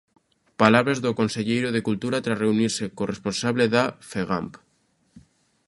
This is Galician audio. Palabras do conselleiro de Cultura tras reunirse co responsable da Fegamp.